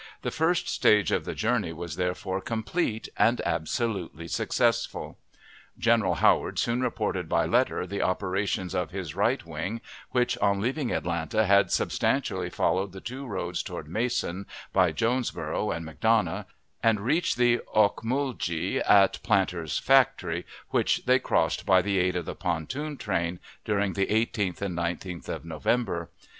The first stage of the journey was, therefore, complete, and absolutely successful. General Howard soon reported by letter the operations of his right wing, which, on leaving Atlanta, had substantially followed the two roads toward Mason, by Jonesboro' and McDonough, and reached the Ocmulgee at Planters' Factory, which they crossed, by the aid of the pontoon train, during the 18th and 19th of November.